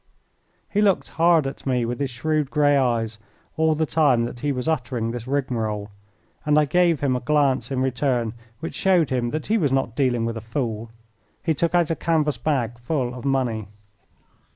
He looked hard at me with his shrewd grey eyes all the time that he was uttering this rigmarole, and I gave him a glance in return which showed him that he was not dealing with a fool. He took out a canvas bag full of money.